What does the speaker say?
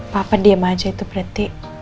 papa diem aja itu berarti